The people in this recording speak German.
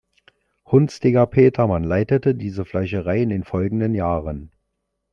Hunsteger-Petermann leitete diese Fleischerei in den folgenden Jahren.